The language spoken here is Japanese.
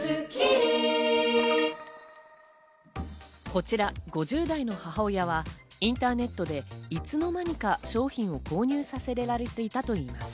こちら５０代の母親はインターネットでいつの間にか商品を購入させられていたといいます。